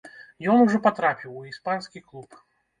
Ён ужо патрапіў у іспанскі клуб.